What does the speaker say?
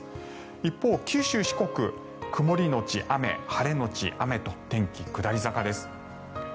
一方、九州、四国曇りのち雨晴れのち雨と天気下り坂です。